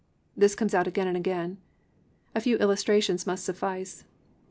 _ This comes out again and again. A few illustrations must suffice.